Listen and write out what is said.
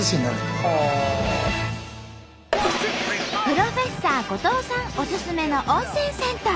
風呂フェッサー後藤さんおすすめの温泉銭湯。